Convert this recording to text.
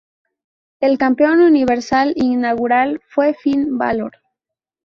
El Campeón Universal inaugural fue Finn Bálor.